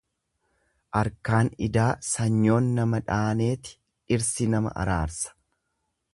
Arkaan idaa sanyoon nama dhaaneeti, dhirsi nama araarsa.